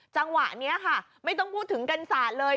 จังหวะนี้ค่ะไม่ต้องพูดถึงกันศาสตร์เลย